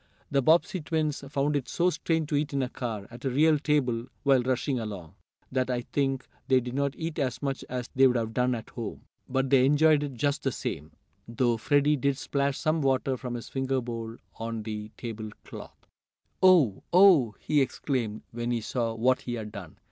The Bobbsey twins found it so strange to eat in a car, at a real table, while rushing along, that I think they did not eat as much as they would have done at home. But they enjoyed it just the same, though Freddie did splash some water from his finger bowl on the table cloth. "Oh! Oh!" he exclaimed when he saw what he had done.